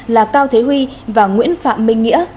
là cao thế huy và nguyễn phạm minh nghĩa